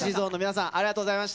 ありがとうございます。